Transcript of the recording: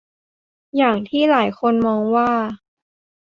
อย่างที่หลายคนมองว่า